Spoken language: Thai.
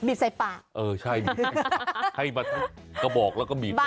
บีบใส่ป่าเข้ามาก็บอกแล้วก็บีบใส่ป่า